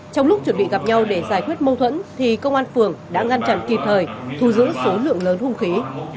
trong lúc chuẩn bị gặp nhau để giải quyết mâu thuẫn thì công an phường đã ngăn chặn kịp thời thu giữ số lượng lớn hung khí